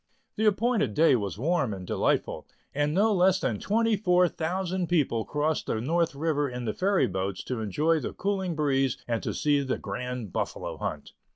The appointed day was warm and delightful, and no less than twenty four thousand people crossed the North River in the ferry boats to enjoy the cooling breeze and to see the "Grand Buffalo Hunt."